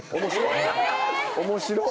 ・面白っ！